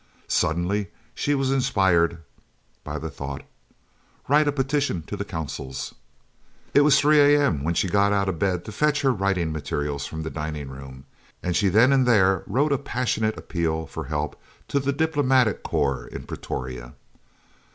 Suddenly she was inspired by the thought, "Write a petition to the Consuls!" It was 3 a.m. when she got out of bed to fetch her writing materials from the dining room, and she then and there wrote a passionate appeal for help to the Diplomatic Corps in Pretoria.